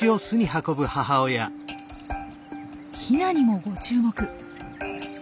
ヒナにもご注目。